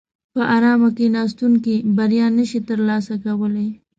په ارامه کیناستونکي بریا نشي ترلاسه کولای.